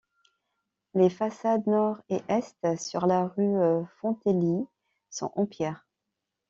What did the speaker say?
Les façades nord et est, sur la rue Fontélie, sont en pierre.